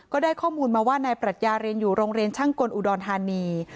ก็ได้ข้อมูลมาว่านายปรัชญาเรียนอยู่โรงเรียนช่างกลอุดรธานี